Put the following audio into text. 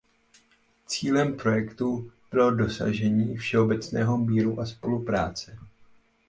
Cílem projektu bylo dosažení všeobecného míru a spolupráce.